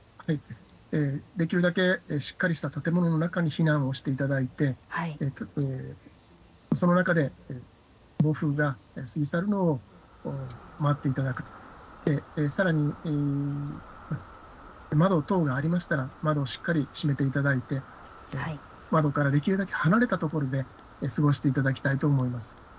できるだけしっかりした建物の中に避難をしていただいて、その中で暴風が過ぎ去るのを待っていただく、さらに、窓等がありましたら、窓をしっかり閉めていただいて、窓からできるだけ離れた所で過ごしていただきたいと思います。